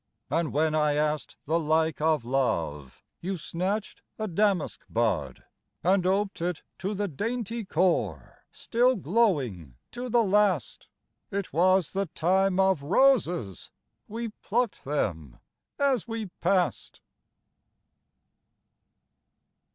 And when I ask'd the like of Love, You snatched a damask bud; And oped it to the dainty core, Still glowing to the last. It was the Time of Roses, We plucked them as we pass'd!